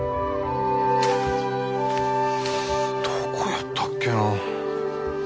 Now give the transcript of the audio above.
どこやったっけな？